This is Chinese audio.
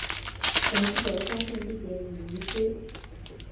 详细的发现地点已遗失。